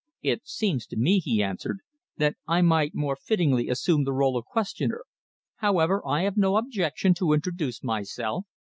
"It seems to me," he answered, "that I might more fittingly assume the role of questioner. However, I have no objection to introduce myself.